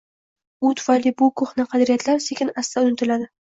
U tufayli bu ko‘hna qadriyatlar sekin-asta unutiladi.